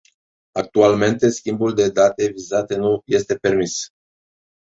Actualmente schimbul de date vizate nu este permis.